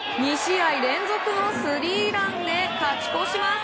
２試合連続のスリーランで勝ち越します。